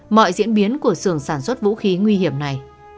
mọi diễn biến của sưởng sản xuất vũ khí nguy hiểm này